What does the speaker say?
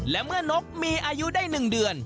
และเมื่อนกมีอายุได้๑เดือน